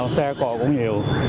xe cổ cũng nhiều